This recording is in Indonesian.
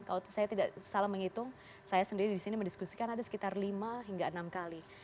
kalau saya tidak salah menghitung saya sendiri disini mendiskusikan ada sekitar lima hingga enam kali